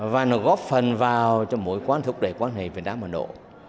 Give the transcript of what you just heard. và nó góp phần vào cho mối quan thức về quan hệ việt nam ấn độ